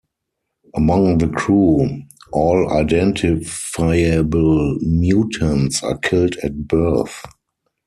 Among the crew, all identifiable mutants are killed at birth.